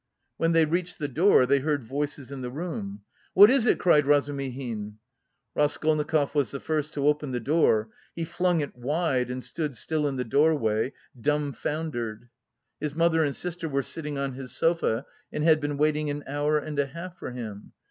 When they reached the door they heard voices in the room. "What is it?" cried Razumihin. Raskolnikov was the first to open the door; he flung it wide and stood still in the doorway, dumbfoundered. His mother and sister were sitting on his sofa and had been waiting an hour and a half for him.